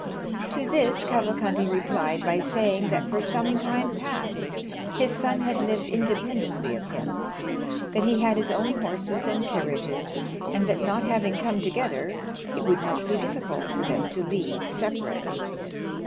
To this Cavalcanti replied by saying that for some time past his son had lived independently of him, that he had his own horses and carriages, and that not having come together, it would not be difficult for them to leave separately.